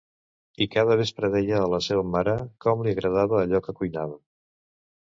I cada vespre deia a la seva mare com li agradava allò que cuinava.